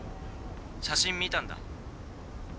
写真見たんだ？